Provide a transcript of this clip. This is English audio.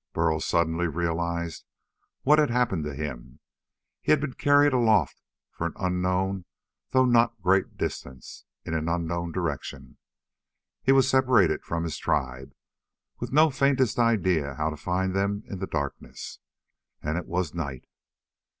Burl suddenly realized what had happened to him. He had been carried aloft an unknown though not great distance, in an unknown direction. He was separated from his tribe, with no faintest idea how to find them in the darkness. And it was night.